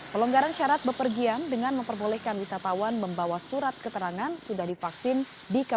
pelonggaran syarat bepergian dengan memperbolehkan wisatawan membawa surat keterangan sudah divaksin